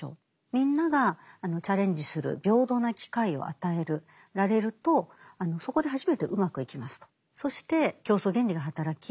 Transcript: みんながチャレンジする平等な機会を与えられるとそこで初めてうまくいきますと。